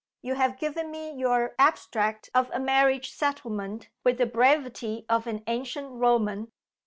You have given me your abstract of a marriage settlement with the brevity of an ancient Roman.